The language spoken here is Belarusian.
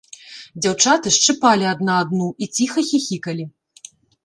Дзяўчаты шчыпалі адна адну і ціха хіхікалі.